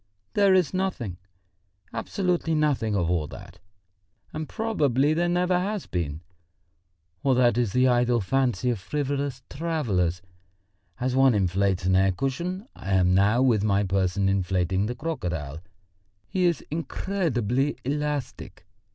"There is nothing, absolutely nothing of all that, and probably there never has been. All that is the idle fancy of frivolous travellers. As one inflates an air cushion, I am now with my person inflating the crocodile. He is incredibly elastic.